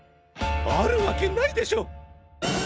あるわけないでしょ！